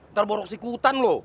ntar borok sikutan loh